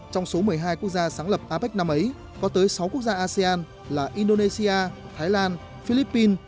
trong số một mươi hai quốc gia sáng lập apec năm ấy có tới sáu quốc gia asean là indonesia thái lan philippines